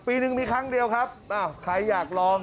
ปีหนึ่งมีครั้งเดียวครับอ้าวใครอยากลอง